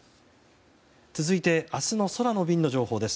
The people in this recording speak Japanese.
続いて明日の空の便の情報です。